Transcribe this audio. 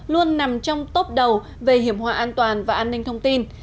luôn nằm trong tốp đầu về hiểm hòa an toàn và an ninh thông tin